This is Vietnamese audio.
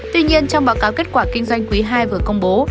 tuy nhiên trong báo cáo kết quả kinh doanh quý ii vừa công bố